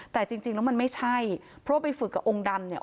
แต่จริงแล้วมันไม่ใช่เพราะว่าไปฝึกกับองค์ดำเนี่ย